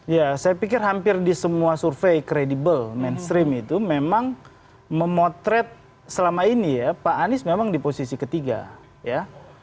ya saya pikir hampir di semua survei kredibel mainstream itu memang memotret selama ini ya pak anies memang di posisi ketiga ya